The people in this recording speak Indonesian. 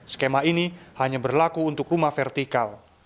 skema ini hanya berlaku untuk rumah vertikal